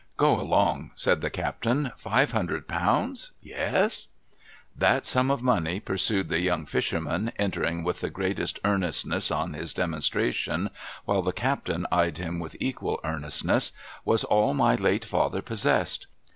' Go along,' said the captain. ' Five hundred pounds ? Yes ?' 'That sum of money,' pursued the young fisherman, entering with the greatest earnestness on his demonstration, while the captain eyed him with equal earnestness, ' was all my late father possessed.